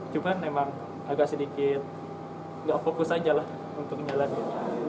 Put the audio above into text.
cuma memang agak sedikit nggak fokus aja lah untuk jalannya